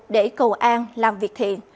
để cầu an làm việc thiện